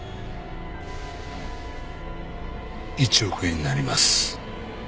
１億円になります。